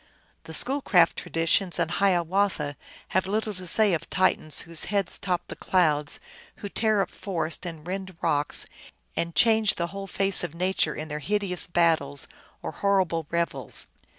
The Schoolcraft traditions and Hiawatha have little to say of Titans whose heads top the clouds, who tear up forests and rend rocks, and change the whole face of Nature in their hideous battles or horrible revels.